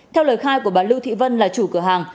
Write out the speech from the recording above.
theo lời khai của bà lưu thị vân là chủ cửa hàng